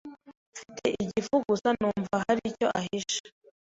Mfite igifu gusa numva hari icyo ahishe.